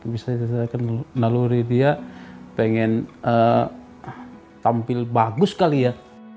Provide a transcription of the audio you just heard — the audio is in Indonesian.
misalnya saya naluri dia pengen tampil bagus kali ya